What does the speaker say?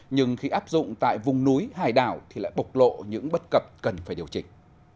nhưng khi áp dụng tại vùng núi hải đảo thì lại bộc lộ những bất cập cần phải điều chỉnh